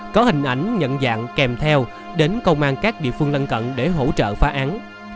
có hình ảnh nhận dạng kèm theo đến công an các địa phương lân cận để hỗ trợ phá án